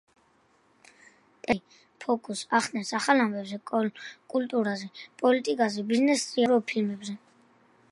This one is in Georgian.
ტელეკომპანია დოჟდი ფოკუსს ახდენს ახალ ამბებზე, კულტურაზე, პოლიტიკაზე, ბიზნეს სიახლეებზე და დოკუმენტურ ფილმებზე.